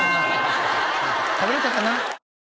食べれたかな？